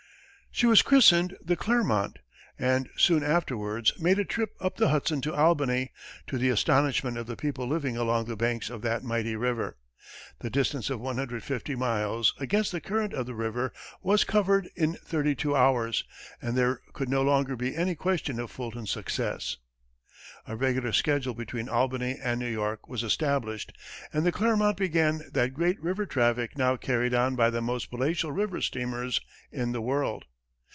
She was christened the "Clermont," and soon afterwards made a trip up the Hudson to Albany, to the astonishment of the people living along the banks of that mighty river. The distance of 150 miles, against the current of the river, was covered in thirty two hours, and there could no longer be any question of Fulton's success. A regular schedule between Albany and New York was established, and the "Clermont" began that great river traffic now carried on by the most palatial river steamers in the world.